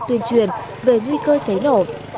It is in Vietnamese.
tuyên truyền về nguy cơ cháy nổ